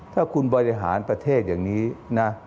ถ้าคุณบริหารประเทศอย่างนี้นะ